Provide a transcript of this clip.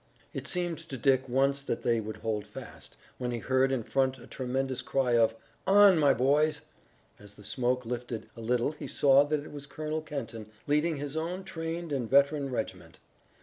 It seemed to Dick once that they would hold fast, when he heard in front a tremendous cry of: "On, my boys!" As the smoke lifted a little he saw that it was Colonel Kenton leading his own trained and veteran regiment.